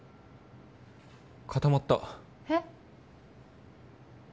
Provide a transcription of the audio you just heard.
固まったえ？